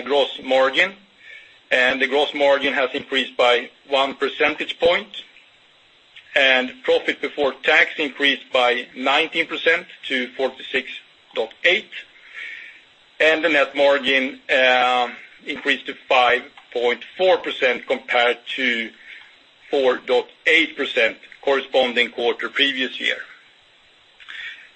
is gross margin, and the gross margin has increased by one percentage point, and profit before tax increased by 19% to 46.8, and the net margin increased to 5.4% compared to 4.8% corresponding quarter previous year.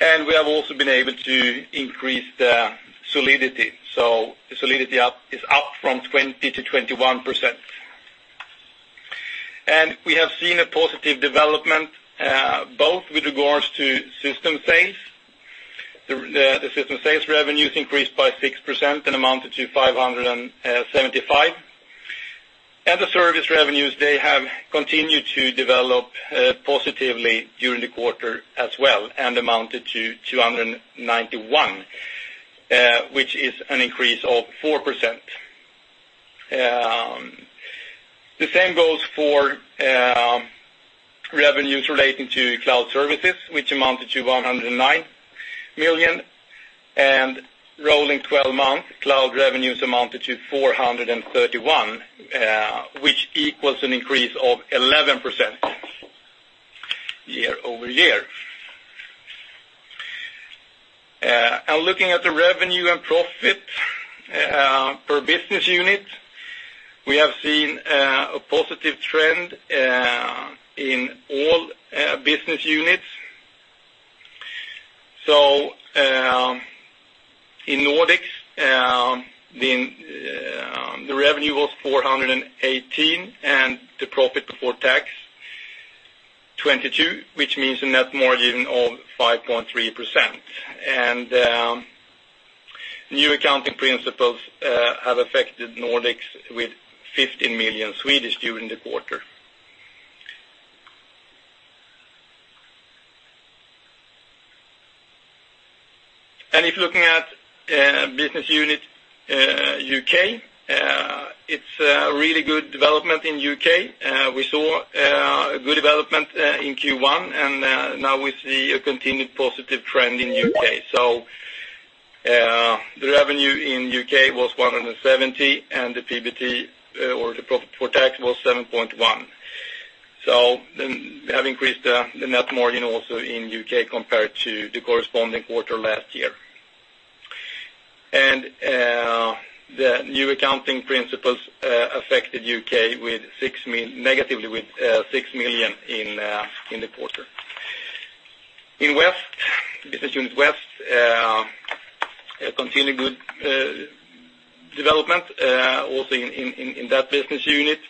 And we have also been able to increase the solidity. So the solidity is up from 20%-21%. And we have seen a positive development both with regards to system sales. The system sales revenues increased by 6% and amounted to 575. And the service revenues, they have continued to develop positively during the quarter as well, and amounted to 291, which is an increase of 4%. The same goes for revenues relating to cloud services, which amounted to 109 million, and rolling twelve months, cloud revenues amounted to 431 million, which equals an increase of 11% YoY. And looking at the revenue and profit per business unit, we have seen a positive trend in all business units. So, in Nordics, the revenue was 418 million, and the profit before tax, 22 million, which means a net margin of 5.3%. And new accounting principles have affected Nordics with 15 million during the quarter. And if looking at Business Unit UK, it's a really good development in U.K. We saw good development in Q1, and now we see a continued positive trend in U.K. So, the revenue in U.K. was 170 million, and the PBT, or the profit before tax, was 7.1 million. Then we have increased the net margin also in U.K. compared to the corresponding quarter last year. And, the new accounting principles affected UK negatively with 6 million in the quarter. In West, Business Unit West, a continued good development also in that business unit,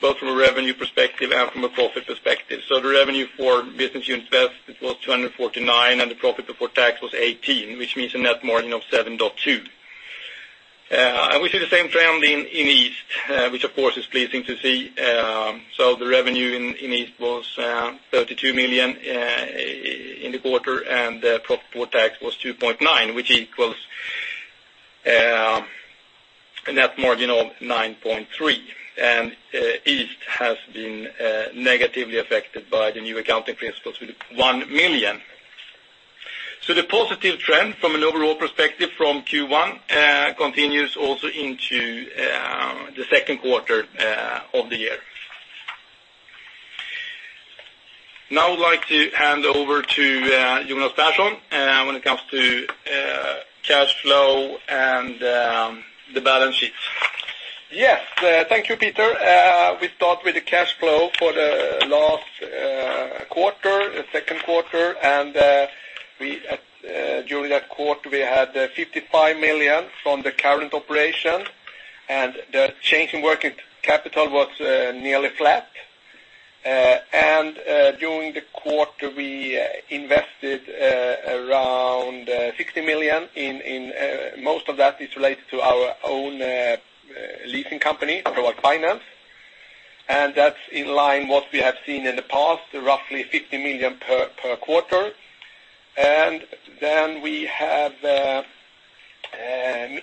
both from a revenue perspective and from a profit perspective. So the revenue for Business Unit West was 249 million, and the profit before tax was 18 million, which means a net margin of 7.2%. And we see the same trend in East, which, of course, is pleasing to see. So the revenue in East was 32 million in the quarter, and the profit before tax was 2.9 million, which equals a net margin of 9.3%. East has been negatively affected by the new accounting principles with 1 million. The positive trend from an overall perspective from Q1 continues also into the second quarter of the year. Now, I would like to hand over to Jonas Persson when it comes to cash flow and the balance sheets. Yes, thank you, Peter. We start with the cash flow for the last quarter, the second quarter, and during that quarter, we had 55 million from the current operation, and the change in working capital was nearly flat. And during the quarter, we invested around 60 million; most of that is related to our own leasing company, Proact Finance, and that's in line with what we have seen in the past, roughly 50 million per quarter. Then we have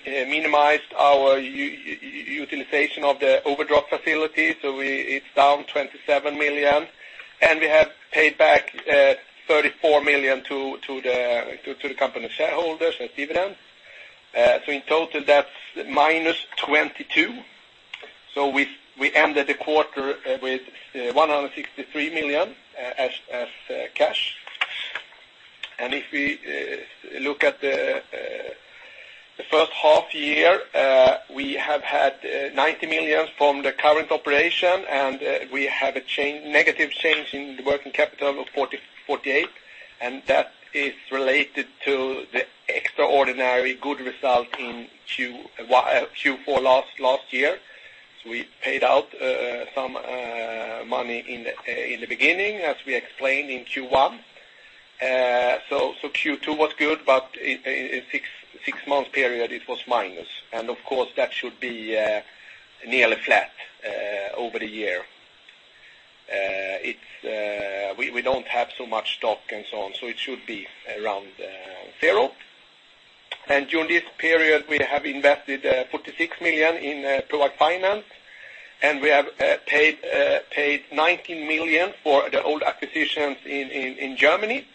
minimized our utilization of the overdraft facility, so it's down 27 million, and we have paid back 34 million to the company shareholders as dividends. So in total, that's -22 million. So we ended the quarter with 163 million in cash. And if we look at the first half year, we have had 90 million from the current operation, and we have a negative change in the working capital of 48, and that is related to the extraordinary good result in Q1, Q4 last year. So we paid out some money in the beginning, as we explained in Q1. So Q2 was good, but in six months period, it was minus. And of course, that should be nearly flat over the year. It's we don't have so much stock and so on, so it should be around zero. During this period, we have invested 46 million in Proact Finance and we have paid 19 million for the old acquisitions in Germany,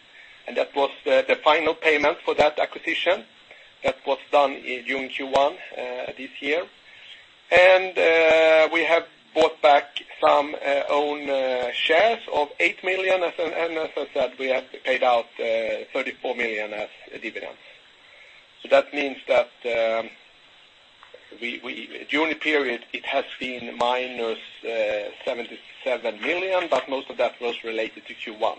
and that was the final payment for that acquisition. That was done in January Q1 this year. We have bought back some own shares of 8 million, and as I said, we have paid out 34 million as a dividend. So that means that we, during the period, it has been -77 million, but most of that was related to Q1.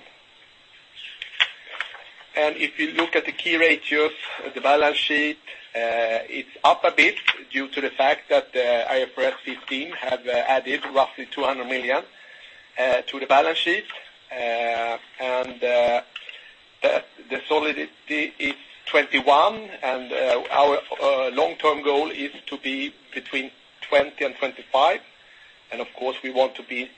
If you look at the key ratios of the balance sheet, it's up a bit due to the fact that IFRS 15 have added roughly 200 million to the balance sheet. And the solidity is 21, and our long-term goal is to be between 20 and 25. Of course, we want to be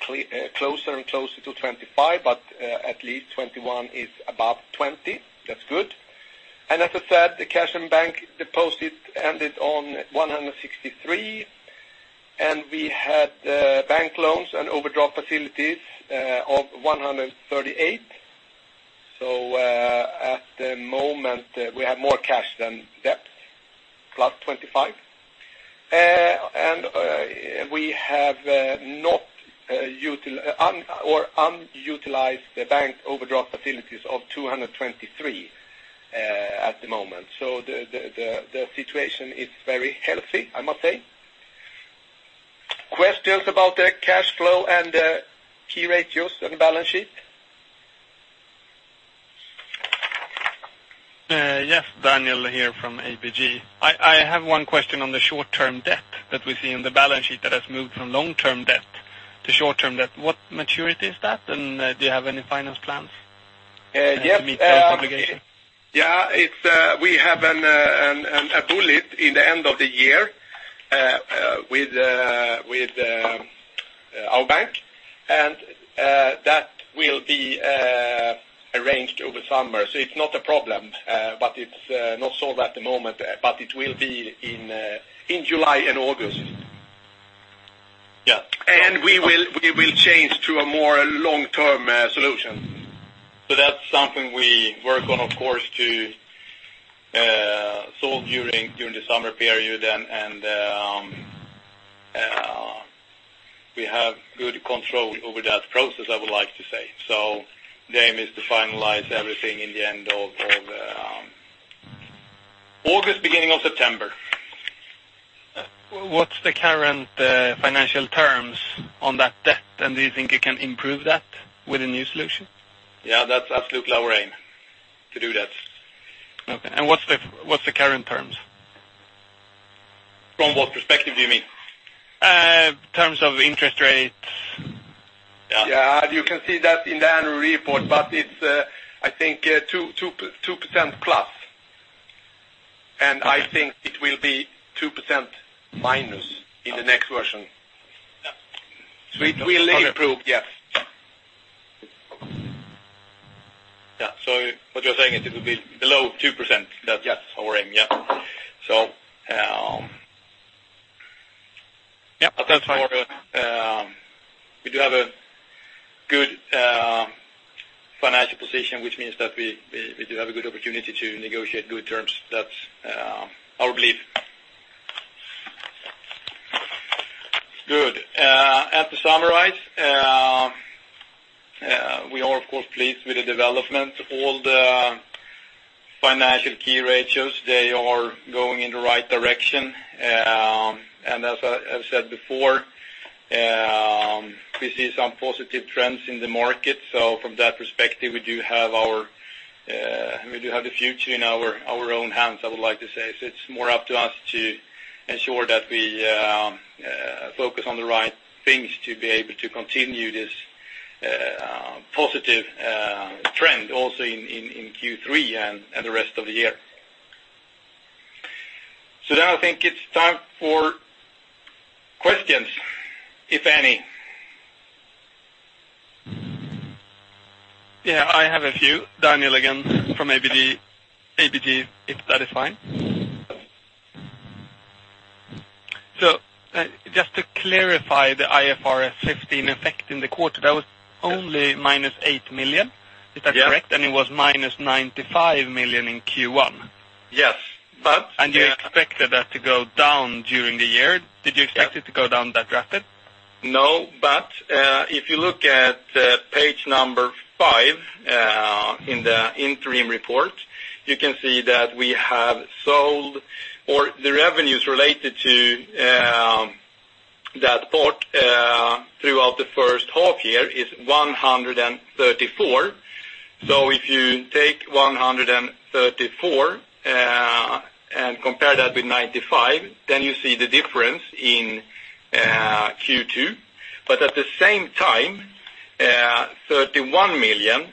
closer and closer to 25, but at least 21 is above 20. That's good. As I said, the cash and bank deposit ended on 163, and we had bank loans and overdraft facilities of 138. So at the moment, we have more cash than debt, +25. And we have unutilized the bank overdraft facilities of 223 at the moment. So the situation is very healthy, I must say. Questions about the cash flow and key ratios and balance sheet? Yes, Daniel here from ABG. I have one question on the short-term debt that we see in the balance sheet that has moved from long-term debt to short-term debt. What maturity is that, and do you have any finance plans- Uh, yes- To meet those obligations? Yeah, it's we have a bullet in the end of the year with our bank, and that will be arranged over summer. So it's not a problem, but it's not solved at the moment, but it will be in July and August. Yeah. And we will change to a more long-term solution. So that's something we work on, of course, to solve during the summer period, and we have good control over that process, I would like to say. So the aim is to finalize everything in the end of August, beginning of September. What's the current financial terms on that debt, and do you think you can improve that with a new solution? Yeah, that's absolutely our aim, to do that. Okay, and what's the current terms? From what perspective do you mean? Terms of interest rates. Yeah. You can see that in the annual report, but it's, I think, 2%+. I think it will be 2%- in the next version. Yeah. So it will improve, yes. Yeah. So what you're saying is it will be below 2%? Yes. That's our aim, yeah. So, um... Yeah, that's my- We do have a good financial position, which means that we do have a good opportunity to negotiate good terms. That's our belief. Good. And to summarize, we are, of course, pleased with the development. All the financial key ratios, they are going in the right direction. And as I've said before, we see some positive trends in the market. So from that perspective, we do have the future in our own hands, I would like to say. So it's more up to us to ensure that we focus on the right things to be able to continue this positive trend also in Q3 and the rest of the year. So now I think it's time for questions, if any. Yeah, I have a few. Daniel, again, from ABG, if that is fine. So just to clarify, the IFRS 15 effect in the quarter, that was only -8 million. Yeah. Is that correct? It was -95 million in Q1. Yes, but- You expected that to go down during the year. Yeah. Did you expect it to go down that rapid? No, but, if you look at, page number 5, in the interim report, you can see that we have sold or the revenues related to, that part, throughout the first half year is 134. So if you take 134, and compare that with 95, then you see the difference in, Q2. But at the same time, 31 million,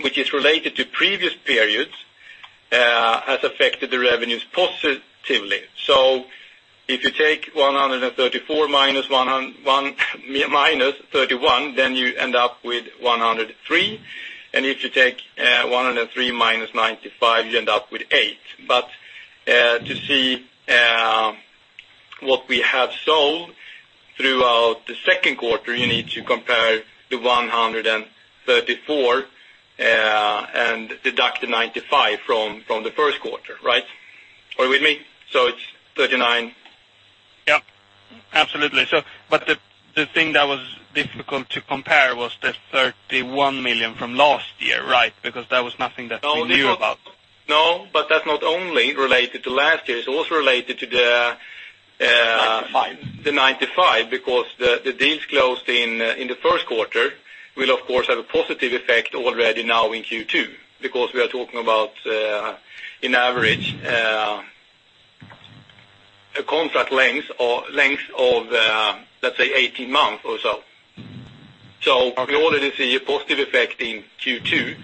which is related to previous periods, has affected the revenues positively. So if you take 134 minus 31, then you end up with 103. If you take 103 minus 95, you end up with 8. But to see what we have sold throughout the second quarter, you need to compare the 134 and deduct the 95 from the first quarter, right? Are you with me? So it's 39. Yep, absolutely. So, but the thing that was difficult to compare was the 31 million from last year, right? Because that was nothing that we knew about. No, but that's not only related to last year, it's also related to the, Ninety-five. The 95, because the deals closed in the first quarter will, of course, have a positive effect already now in Q2, because we are talking about, in average, a contract length or length of, let's say, 18 months or so. So- Okay. We already see a positive effect in Q2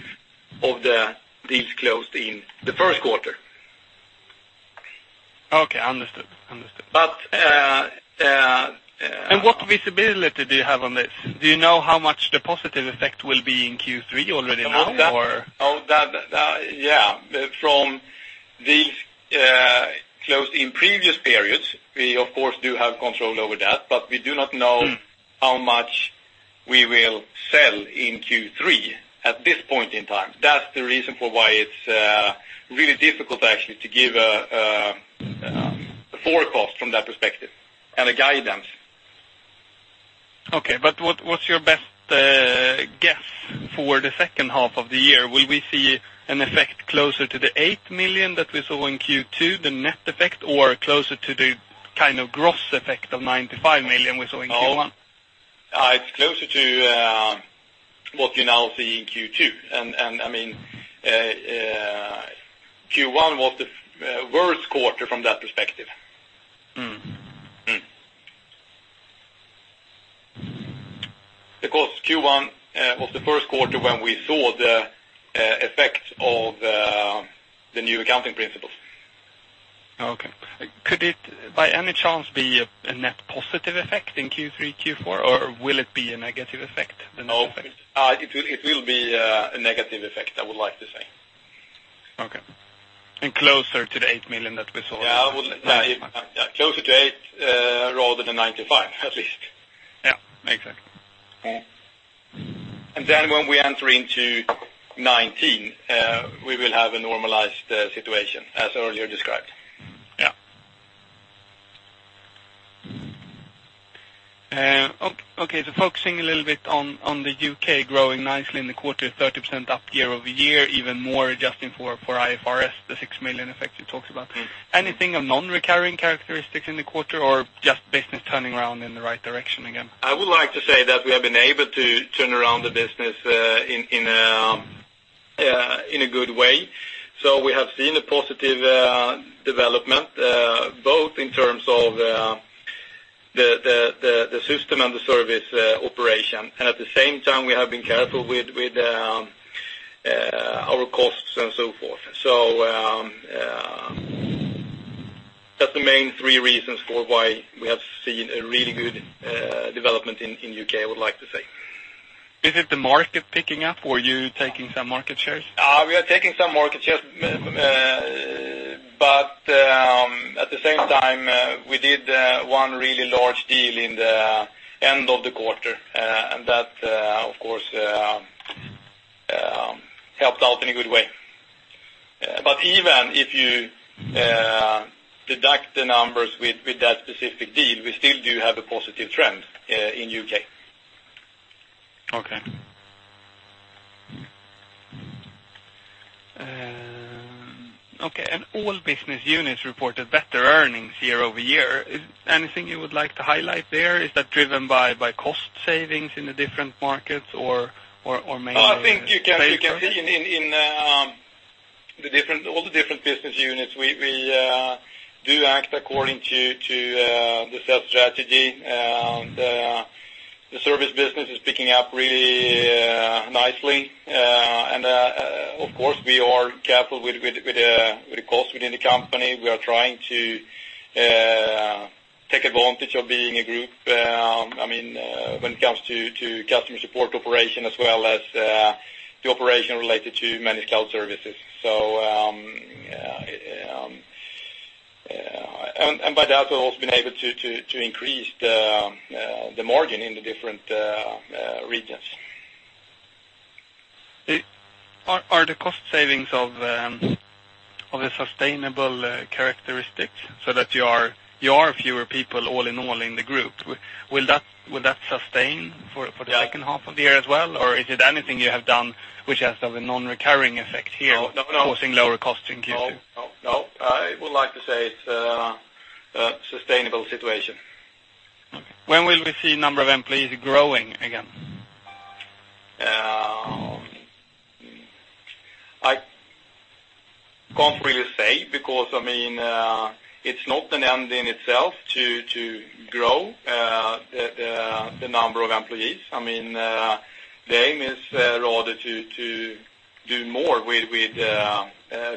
of the deals closed in the first quarter. Okay, understood. Understood. But, What visibility do you have on this? Do you know how much the positive effect will be in Q3 already now or? Oh, that, yeah. From these closed in previous periods, we of course do have control over that, but we do not know- Mm. how much we will sell in Q3 at this point in time. That's the reason for why it's really difficult, actually, to give a forecast from that perspective, and a guidance. Okay, but what's your best guess for the second half of the year? Will we see an effect closer to the 8 million that we saw in Q2, the net effect, or closer to the kind of gross effect of 95 million we saw in Q1? No, it's closer to what you now see in Q2, and I mean, Q1 was the worst quarter from that perspective. Mm, mm. Because Q1 was the first quarter when we saw the effect of the new accounting principles. Okay. Could it, by any chance, be a net positive effect in Q3, Q4, or will it be a negative effect? No, it will, it will be a, a negative effect, I would like to say. Okay. And closer to the 8 million that we saw- Yeah, I would, yeah, closer to 8 rather than 95, at least. Yeah, exactly. Okay. And then when we enter into 2019, we will have a normalized situation, as earlier described. Yeah. Okay, so focusing a little bit on the UK growing nicely in the quarter, 30% up YoY, even more adjusting for IFRS, the 6 million effect you talked about. Anything of non-recurring characteristics in the quarter, or just business turning around in the right direction again? I would like to say that we have been able to turn around the business in a good way. So we have seen a positive development both in terms of the system and the service operation. And at the same time, we have been careful with our costs and so forth. So that's the main three reasons for why we have seen a really good development in U.K., I would like to say. Is it the market picking up, or you taking some market shares? We are taking some market shares, but at the same time, we did one really large deal in the end of the quarter, and that of course helped out in a good way. But even if you deduct the numbers with that specific deal, we still do have a positive trend in UK. Okay. Okay, and all business units reported better earnings YoY. Is anything you would like to highlight there? Is that driven by cost savings in the different markets or mainly- I think you can see in all the different business units, we do act according to the sales strategy. And the service business is picking up really nicely, and of course, we are careful with the costs within the company. We are trying to take advantage of being a group, I mean, when it comes to customer support operation, as well as the operation related to managed cloud services. So, yeah, and by that, I've also been able to increase the margin in the different regions. Are the cost savings of a sustainable characteristic, so that you are fewer people all in all in the group? Will that sustain for- Yeah for the second half of the year as well? Or is it anything you have done which has a non-recurring effect here? No, no, no. causing lower cost in Q2? No. No, I would like to say it's a sustainable situation. Okay. When will we see number of employees growing again? I can't really say, because, I mean, it's not an end in itself to grow the number of employees. I mean, the aim is rather to do more with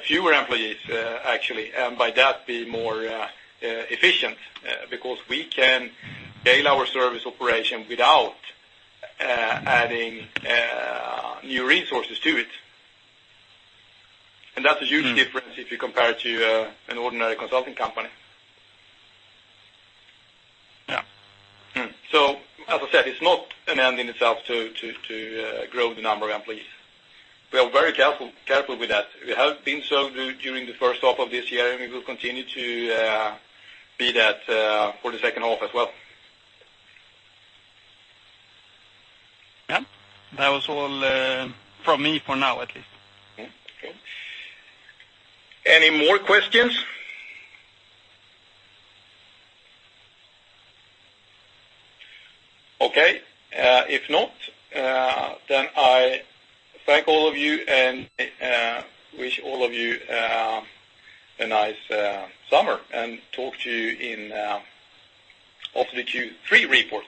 fewer employees, actually, and by that, be more efficient. Because we can build our service operation without adding new resources to it. And that's a huge- Mm. -difference if you compare it to, an ordinary consulting company. Yeah. Mm. So as I said, it's not an end in itself to grow the number of employees. We are very careful with that. We have been so during the first half of this year, and we will continue to be that for the second half as well. Yeah. That was all from me for now, at least. Okay. Any more questions? Okay, if not, then I thank all of you, and wish all of you a nice summer, and talk to you in after the Q3 report.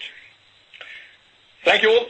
Thank you all.